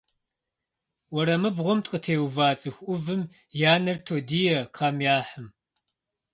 Уэрамыбгъум къытеува цӏыху ӏувым я нэр тодие кхъэм яхьым.